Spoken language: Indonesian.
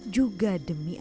juga demi suami